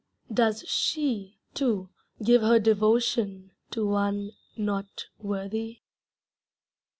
Does she, too, give her devotion to one Not worthy?